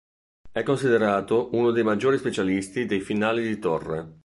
È considerato uno dei maggiori specialisti dei finali di torre.